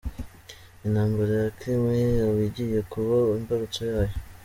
Intambara ya Crimea yaba igiye kuba imbarutso yayo ?.